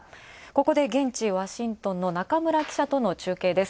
ここで現地、ワシントンの中村記者との中継です。